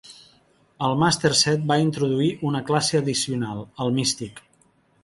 El "Màster Set" va introduir una classe addicional: el Místic.